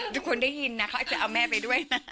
ทุกคนได้ยินนะเขาอาจจะเอาแม่ไปด้วยนะ